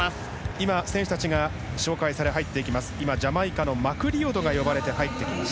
今、選手たちが紹介され入ってきます。